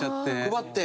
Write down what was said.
配って？